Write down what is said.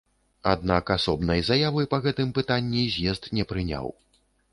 Аднак асобнай заявы па гэтым пытанні з'езд не прыняў.